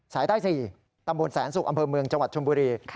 สายใต้๔ตำบลแสนสุกอำเภอเมืองจังหวัดชมบุรี